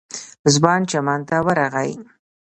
ځوان چمن ته ورغی.